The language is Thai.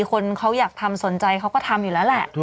คนเขาอยากทำสนใจเขาก็ทำอยู่แล้วแหละ